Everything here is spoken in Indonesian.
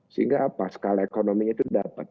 sehingga apa skala ekonominya itu dapat